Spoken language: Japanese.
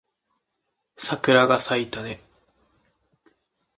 桜が咲いたね